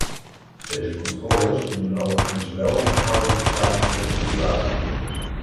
Deze controles dienen overigens wel in verhouding te staan tot de situatie.